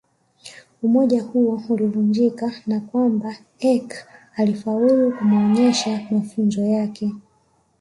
Umoja huo ulivunjika na kwamba Eck alifaulu kumuonesha mafundisho yake